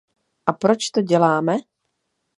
A proč to děláme?